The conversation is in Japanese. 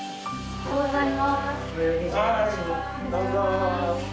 おはようございます。